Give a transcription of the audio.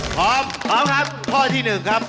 พร้อมพร้อมครับข้อที่๑ครับ